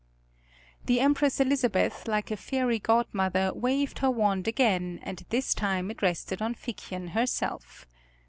The Empress Elizabeth, like a fairy godmother, waved her wand again, and this time it rested on Figchen herself.